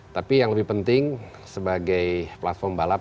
tapi yang lebih penting sebagai platform balap